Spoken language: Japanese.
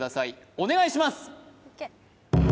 お願いします！